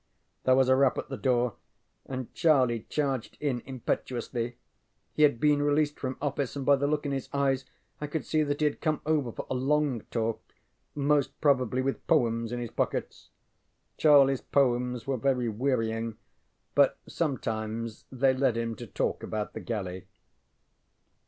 ŌĆØ There was a rap at the door, and Charlie charged in impetuously. He had been released from office, and by the look in his eyes I could see that he had come over for a long talk; most probably with poems in his pockets. CharlieŌĆÖs poems were very wearying, but sometimes they led him to talk about the galley.